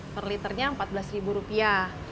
per liternya empat belas rupiah